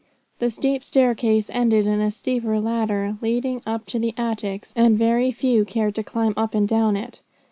The steep staircase ended in a steeper ladder leading up to the attics, and very few cared to climb up and down it.